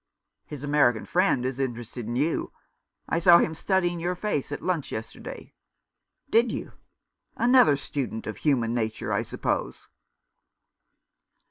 " His American friend is interested in you. I saw him studying your face at lunch yesterday." " Did you ? Another student of human nature, I suppose."